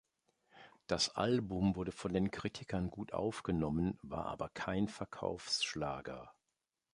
Das Album wurde von den Kritikern gut aufgenommen, war aber kein Verkaufsschlager.